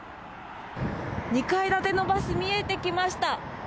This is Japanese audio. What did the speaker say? ２階建てのバス、見えてきました。